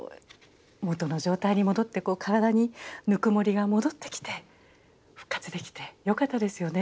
元の状態に戻って体にぬくもりが戻ってきて復活できてよかったですよね。